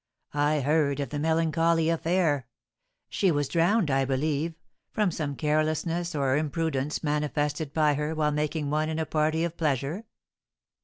"I heard of the melancholy affair; she was drowned, I believe, from some carelessness or imprudence manifested by her while making one in a party of pleasure.